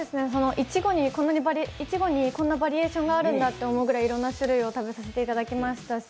いちごにこんなにバリエーションがあるんだと思うくらいいろんな種類を食べさせていただきましたし